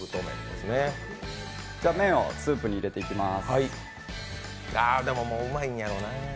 では、麺をスープに入れていきます。